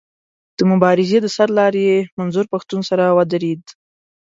د مبارزې د سر لاري منظور پښتون سره ودرېد.